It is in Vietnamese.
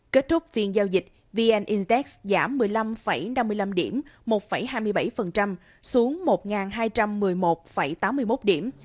kết thúc phiên giao dịch vn intex giảm một mươi năm năm mươi năm điểm một hai mươi bảy xuống một hai trăm một mươi một tám mươi một điểm